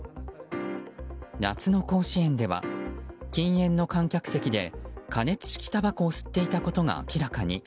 夏の甲子園では禁煙の観客席で加熱式たばこを吸っていたことが明らかに。